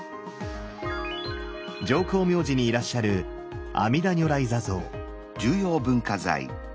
浄光明寺にいらっしゃる阿弥陀如来坐像。